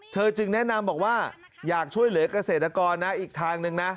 เธอจึงแนะนำว่าอยากช่วยเหลือเกษตรกรอีกทางหนึ่ง